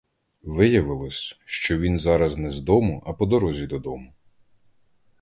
Виявилось, що він зараз не з дому, а по дорозі додому.